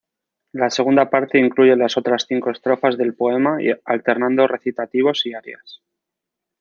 La segunda parte incluye las otras cinco estrofas del poema, alternando recitativos y arias.